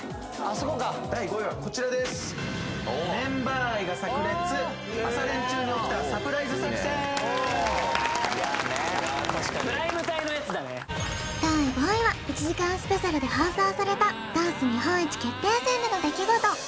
確かにプライム帯のやつだね第５位は１時間スペシャルで放送されたダンス日本一決定戦での出来事